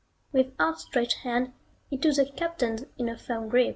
With outstretched hand he took the Captain's in a firm grip.